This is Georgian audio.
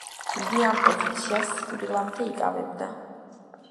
იგი ამ პოზიციას სიკვდილამდე იკავებდა.